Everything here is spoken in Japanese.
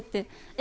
え！